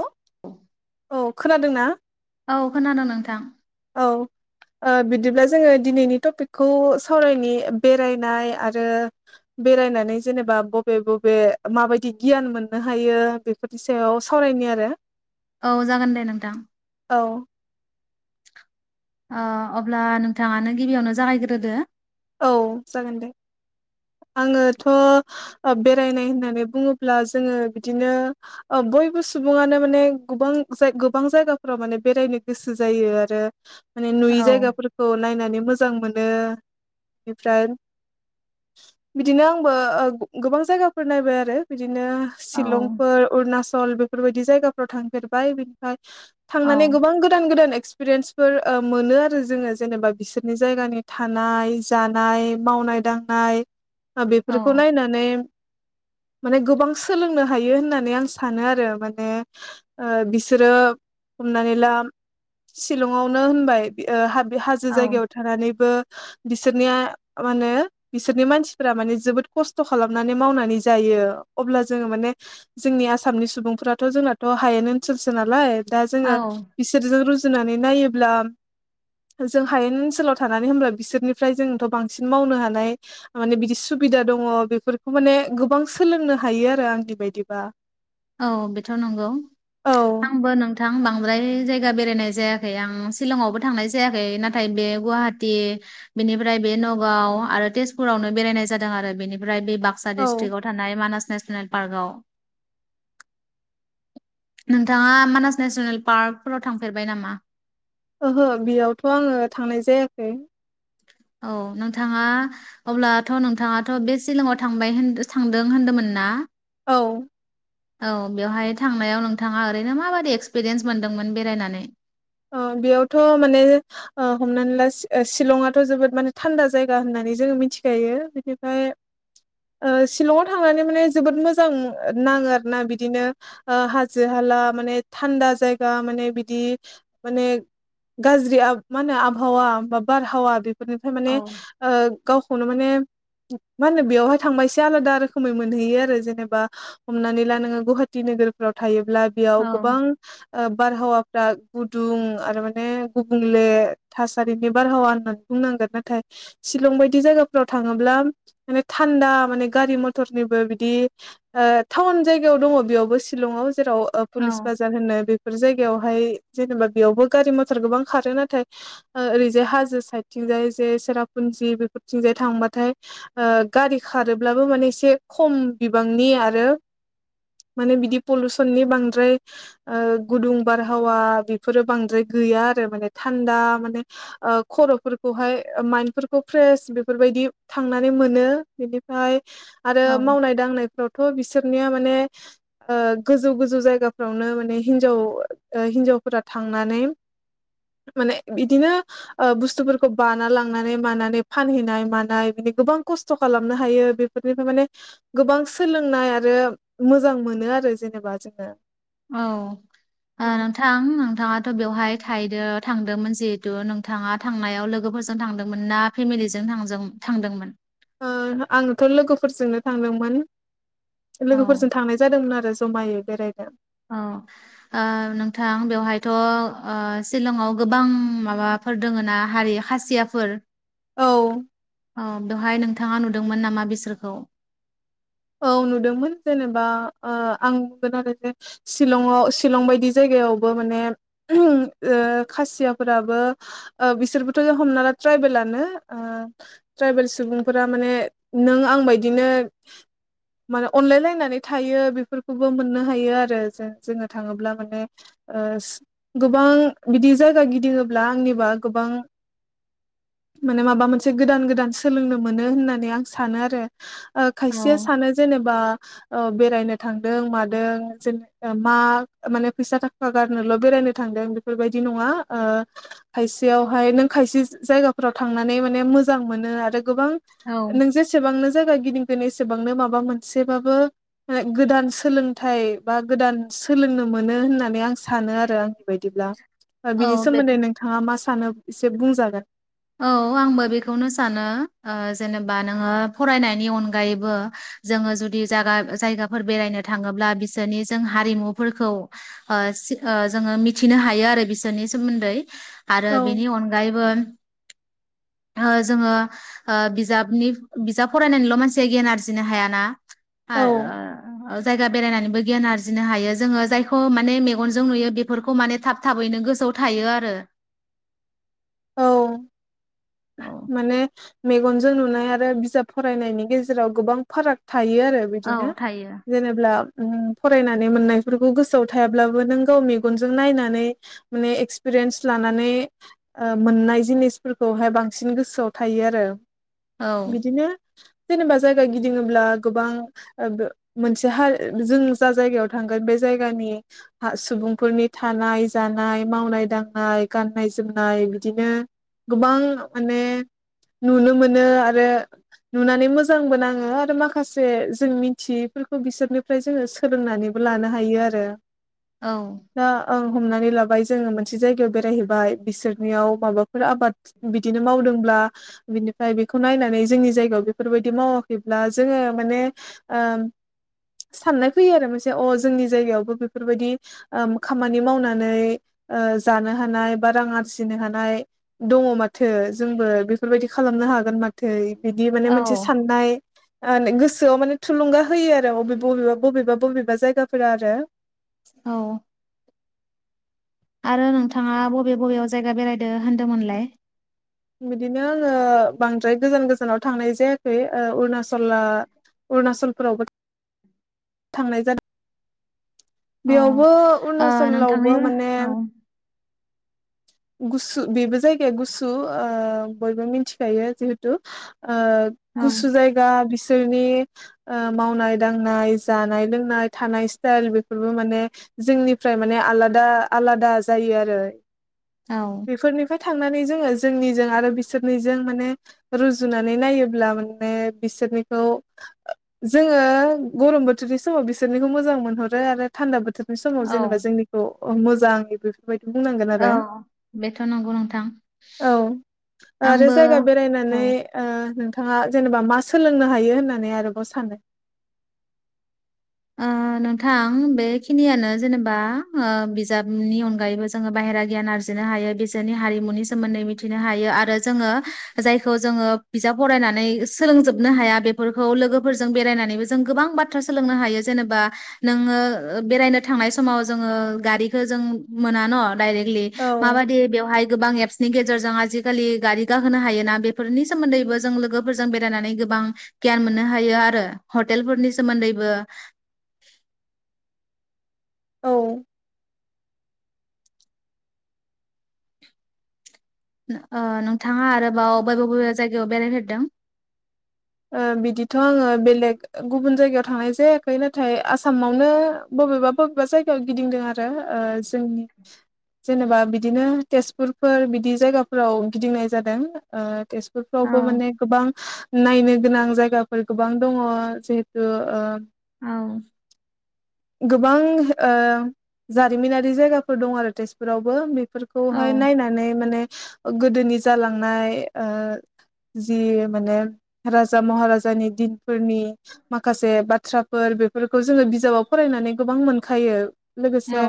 Hello औ खोनादों ना? औ खोनादों नोंथां। औ ओ बिदिब्ला जोङो दिनैनि टपिकखौ सावरायनि बेरायनाय आरो बेरायनानै जेनेबा बबे बबे माबायदि गियान मोननो हायो बेफोरनि सायाव सावरायनि आरो। औ जागोन दे नोंथां। औ। ओ अब्ला नोंथाङानो गिबियावनो जागायग्रोदो। औ जागोन दे आंङोथ' ओ बेरायनाय होननानै बुङोब्ला जोङो बिदिनो ओ बयबो सुबुङानो माने गोबां गोबां जायगाफ्राव माने बेरायनो गोसो जायो आरो माने औ नुयि जायगाफोरखौ नायनानै मोजां जों मोनो निफ्राय बिदिनो आंबो ओ गोबां जायगाफोर नायबाय आरो बिदि नो औ सिलंफोर अरुनाचल ल बेफोरबायदि जायगाफ्राव थांफेरबाय बिनिफ्राय औ थांनानै गोबां गोदान गोदान एक्सपिरियेन्सफोर मोनो आरो जोङो जेनेबा बिसोरनि जायगानि थानाय जानाय मावनाय दांनाय बेफोरखौ नायनानै माने गोबां सोलोंनो हायो होननानै आं सानो आरो माने ओ बिसोरो हमनानैला सिलंआवनो होनबाय हा बे हाजो औ जायगायाव थानानैबो बिसोरनिया माहोनो बिसोरनि मानसिफोरा माने जोबोद खस्थ'' खालामनानै मावनानै जायो अब्ला जोङो माने जोंनि आसामनि सुबुंफोराथ' जोंनाथ' हायेन ओनसोलसो नालाय दा औ जोङो बिसोरजों रुजु जुनानै नायोब्ला जों हायेन ओनसोलाव थानानै होम्ब्ला बिसोरनि ओमफ्राय जोंथ' बांसिन मावनो हानाय माने बिदि सुबिदा दङ बेफोरखौ माने गोबां सोलोंनो हायो आरो आं बिबायदिबा औ बेथ' नंगौ आंबो नोंथां थां बांद्राय जायगा बेरायनाय जायाखै आं सिलंआवबो थांनाय जायाखै नाथाय बे गुवाहाटी बेनिफ्राय बे न'गाव आरो तेजपुरावनो बेरायनाय जादों आरो बेनिफ्राय बे बाक्सा औ डिसट्रिकआव थानाय मानास नेसनेल पारगाव नोंथाङा मानास नेसनेल पार्कफोराव थांफेरबाय नामा? ओहो बेयावथ' आंङो थांनाय जायाखै औ नोंथाङा अब्लाथ' नोंथाङाथ' बे सिलंआव थांबाय होन थांदों होनदोंमोन ना औ औ बेवहाय थांनायाव नोंथाङा ओरैनो माबादि एक्सपिरियेन्स मोनदोंमोन बेरायनानै ओ बेयावथ' माने ओ हमनानै ला सिलंआथ' जोबोद माने थान्दा जायगा होननानै जोङो मिथिखायो बिनिफ्राय ओ सिलंआव थांनानै माने जोबोद मोजां नाङो आरो ना बिदिनो ओ हाजो हाला माने थान्दा जायगा माने बिदि माने गाज्रि आब मा होनो आबहावा बा बारहावा बे बेफोरनिफ्राय माने औ ओ गावखौनो माने मा होनो बेयावहाय थांबा एसे आलादा रोखोमै मोनहैयो आरो जेनेबा हमनानै ला नोङो गुवाहाटि नोगोरफ्राव थायो ब्ला बेयाव औ गोबां ओ बारहावाफ्रा गुदुं आरो माने गुबुंले थासारिनि बारहावा होननानै बुंनांगोन नाथाय सिलं बायदि जायगाफोराव थाङोब्ला माने थान्दा माने गारि मथरनिबो बिदि ओ टाउन जायगायाव दङ बेयावबो सिलंआव जेराव ओ औ पुलिस बाजार होनो बे फोर जायगायावहाय जेनेबा बेयावबो गारि मथर गोबां खारो नाथाय ओरैजाय हाजो साइदथिंजाय एसे सेरापुन्जि बेफोरथिंजाय थांबाथाय ओ गारि खारोब्लाबो माने एसे खम बिबांनि आरो माने बिदि पलुसननि बांद्राय ओ गुदुं बारहावा बेफोरो बांद्राय गैया आरो माने थान्दा माने ओ खर'फोरखौहाय माइन्दफोरखौ फ्रेस बेफोरबायदि थांनानै मोनो बिनिफ्राय आरो औ मावनाय दांनायफ्राव-' थ' बिसोरनिया माने ओ गोजौ गोजौ जायगाफ्रावनो माने हिनजाव हिनजाव फोरा थांनानै माने बिदिनो ओ बुस्थुफोरखौ बाना लांनानै मानानै फानहैनाय मानाय बिदि गोबां खस्थ खालामनो हायो बेफोरनिफ्राय माने गोबां सोलोंनाय आरो मोजां मोनो आरो जेनेबा जोंङो। औ ओ नोंथां। नोंथाङाथ बेवहाय थायैदों थांदोंमोन जिहेथु नोंथाङा थांनायाव लोगोफोरजों थांदोंमोन ना फेमिलिजों थां थांदोंमोन। ओ आंनोथ लोगोफोरजोंनो थांदोंमोन। औ लोगोफोरजों थांनाय जादोंमोन आरो जमायै। बेरायनो। औ ओ नोंथां बेवहायथ ओ सिलंआव गोबां माबाफोर दोङ ना हारि खाासियाफोर। औ दहाय नोंथां। नोंथाङा नुदोंमोन नामा बिसोरखौ औ नुदोंमोन जेनेबा ओ आं बुंगोन आरो जे शिलंआव शिलं बायदि जायगायावबो माने ओ खासियाफोराबो ओ बिसोरबोथ हमना ला ट्राइबेलानो ओ ट्राइबेल सुबुंफोरा माने नों आं बायदिनो। माने अनलायलायनानै थायो बेफोरखौबो मोननो हायो आरो जों जोंङो थाङोब्ला माने गोबां बिदि जायगा गिदिङोब्ला आंनिबा गोबां माने माबा मोनसे गोदान गोदान सोलोंनो मोनो होननानै आं सानो आरो। खायसेस औ सानो जेनेबा औ बेरायनो थांदों मादों जेन मा माने फैसा थाखा गारनोल बेरायनो थांदों बेफोरबायदि नङा ओ खायसेयावहाय नों खायसे जायगाफोराव थांनानै माने मोजां मोनो आरो। गोबां औ नों जेसेबांनो जायगा गिदिंगोन एसे गोबांनो माबा मोनसेबाबो गोदान सोलोंथाइ बा गोदान सोलोंनो मोनो होननानै आं। सानो आरो आंनिबायदिब्ला औ बिनि बेथ' सोमोन्दै नोंथाङा मास सानो एसे बुंजागोन। औ आंबो बेखौनो सानो ओ जेनेबा नोंङो फरायनायनि अनगायैबो जोंङो जुदि जागा जायगाफोर बेरायनो थाङोब्ला बिसोरनि जों हारिमुफोरखौ ओ ओ जोंङो मिथिनो हायो आरो बिसोरनि सोमोन्दै। आरो औ बेनि अनगायैबो-' ओ जोंङो ओ बिजाबनि बिजाब फरायनानैल मानसिया गियान आरजिनो हायाना औ जायगा बेरायनानैबो गियान आरजिनो हायो जोंङो जायखौ माने मेगनजों नुयो बेफोरखौ माने थाब थाबैनो गोसोआव थायो आरो। [inaudible] औ माने मेगनजों नुनाय आरो बिजाब फरायनायनि गेजेराव गोबां फाराग थायो आरो बिदिनो औ थायो जेनेब्ला। ओ फरायनानै मोननायफोरखौ गोसोआव थायाब्लाबो नों गाव मेगनजों नायनानै माने एक्सपिरियेन्स लानानै मोननाय जिनिसफोरखौहाय बांसिन गोसोआव थायो आरो। औ बिदिनो जेनेबा जायगा गिदिङोब्ला गोबां मोनसे हा जों जा जायगायाव थांगोन बे जायगानि सुबुंफोरनि थानाय जानाय मावनाय दांनाय गाननाय जोमनाय नाय बिदिनो गोबां माने नुनो मोनो आरो नुनानै मोजांबो नाङो आरो माखासे जों मिथियैफोरखौ बिसोरनिफ्राय जोंङो सोलोंनानैबो लानो हायो आरो औ ओं हमनानै लाबाय जोंङो मोनसे जायगायाव बेरायहैबाय। बिसोरनियाव माबाफोर आबाद बिदिनो मावदोंब्ला बिनिफ्राय बेखौ नायनानै जोंनि जायगायाव बेफोरबायदि मावाखैब्ला जोंङो माने ओ साननाय फैयो आरो मोनसे अ जोंनि जायगायावबो बेफोरबायदि ओ खामानि मावनानै ओ जानो हानाय बा रां आरजिनो हानाय दङ माथो जोंबो बेफोरबायदि खालामनो हागोन माथो। बिदि माने औ मोनसे साननाय ओ गोसोआव माने थुलुंगा होयो आरो बबेबा बबेबा बबेबा बबेबा जायगाफोरा आरो औ आरो नोंथांङा बबे बबेयाव जायगा बेरायदो होन्दोंमोनलाय बिदिनो आंङो बांद्राय गोजान गोजानाव थांनाय जायाखै ओ अरुणचला अरुणचलफोरावबो थांनाय जादों औ बेयावबो ओ नोंथांनि अरुणचलावबो औ माने गुसु बेबो जायगाया गुसु ओ‌ बयबो मिथिखायो जिहेथु ओ औ गुसु जायगा बिसो बिसोरनि ओ मावनाय दांनाय जानाय लोंनाय थानाय स्टाइल बेफोरबो माने जोंनिफ्राय माने आलादा-आलादा जायो आरो औ बेफोरनिफ्राय थांनानै जोंङो जोंनिजों आरो बिसोरनि माने रुजुनानै नायोब्ला माने बिसोरनि जोंङो गरम बो बे समाव बिसोरनिखौ मोजां मोनहरो आरो थान्दा बोथोर बे समाव जेनेबा जोंनिखौ अ मोजांनि बे बुंनांगोन औ बेथ' नंगौ नोंथां आरो आंबो जायगा बेरायनानै औ ओ नों नोंथांङा जेनेबा मा सोलोंनो हायो होननानै आरोबाव सानो ओ नोंथां बेखिनियानो जेनेबा ओ बिजाबनि अनगायैबो जोंङो बाहेरा गियान आरजिनो हायो बिसोरनि हारिमुनि सोमोन्दै मिथिनो हायो आरो जोंङो जायखौ जोंङो बिजाब फरायनानै सोलोंजोबनो हाया बेफोरखौ लोगोफोरजों बेरायनानैबो जों गोबां बाथ्रा सोलोंनो हायो जेनेबा नोंङो बेरायनो थांनाय समाव जोंङो गारिखौ जों मोना न डाइरेक औ माबादि बेवहाय गोबां एपसनि गेजेरजों आजिखालि गारि गाखोनो हायोना बेफोरनि सोमोन्दैबो जों लोगोफोरजों बेरायनानै गोबां गियान मोननो हायो आरो हटेलफोरनि सोमोन्दैबो [inaudible] औ नोंथांङा आरोबाव बावबेबा बावबेबा जायगायाव बेरायफेरदों बिदिथ आङो बेलेग गुबुन जायगायाव थांनाय जायाखै नाथाय आसामावनो बबेबा-बबेबा जायगायाव गिदिंदों आरो जोंनि जेनेबा बिदिनो तेजपुरफोर बिदि जायगाफोराव गिदिंनाय जादों तेज औ बेफ्रावबो माने गोबां नायनो गोनां जायगाफोर गोबां दङ जिहेथु औ गोबां ओ जारिमिनारि जायगाफोर दं आरो तेजपुरावबो बे बफोरखौहाय नायनानै माने गोदोनि जालांनाय ओ जि माने राजा महाराजानि दिन फोरनि माखासे बाथ्राफोर बेफोरखौ जोंङो बिजाबाव फरायनानै गोबां मोनखायो लोगोसे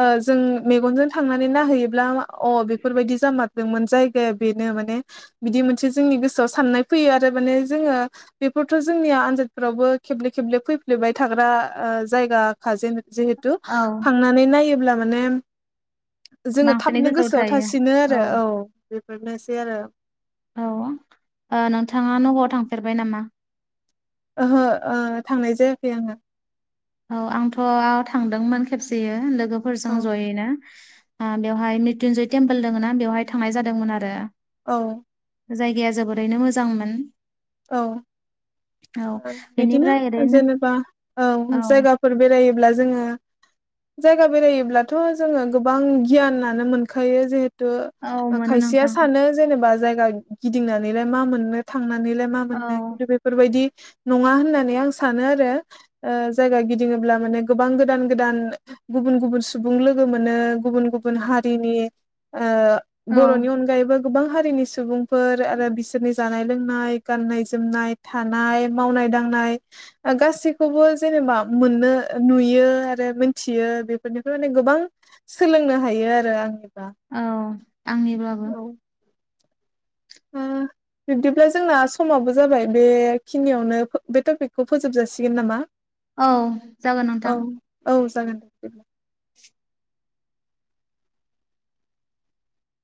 ओ जों मेगनजों थांनानै ना होयोब्ला अ बेफोरबायदि जामा मोन जायगाया बेनो माने बिदि मोनसे जोंनि गोसोआव साननाय फैयो आरो माने जोंङो बेफोरथ जोंनिया आनजादफोरावबो खेब्ले-खेब्ले फैफ्लेबबाय थाग्रा ओ जायगा खाजेन जिहेथु औ थांनानै नायोब्ला माने जोङो थाबनो गोसोआव थासिनो आरो औ बेनोसै आरो औ नोंथाङा नगावआव थांफेरबाय नामा ओहो थांनाय जायाखै आङो औ आंथ थांदोंमोन खेबसेयो लोगो औ लोगोफोरजों जयै नो बेवहाय मृथ्युन्जय टेम्पोल दङ ना बेवहाय थांनाय जादोंमोन आरो औ जायगाया जोबोरैनो मोजांमोन औ औ बिदिनो बेनिफ्राय ओरैनो जेनेबा औ जायगाफोर बेरायोब्ला जोङो जायगा बेरायोब्लाथ‌ जोङो गोबां गियानानो मोनखायो जे औ मोनो खायसेया नोंथां सानो जेनेबा जाय गिदिंनानैलाय मा मोननो थांना लाय मा औ मोननो खिन्थु बेफोरबायदि नङा होननानै आं सानो आरो जायगा गिदिङोब्ला माने गोबां गोदान गोदान गुबुन गुबुन सुबुं लोगो मोनो गुबुन गुबुन हारिनि औ बरनि अनगायैबो गोबां हारिनि सुबुं आरो बिसोरनि जानाय जानाय गाननाय जोमनाय थानाय मावनाय दांनाय गासैखौबो जेनेबा मोननो नुयो आरो मोनथियो बेफोरनिफ्राय माने गोबां सोलोंनो हायो आरो आंनि औ आंनिब्लाबो। बिब्दिब्ला जोंना समावबो जाबाय बेखिनियावनो बे टपिकखौ फोजोबजासिगोन नामा? औ जागोन नोंथां। औ औ जागोन दे।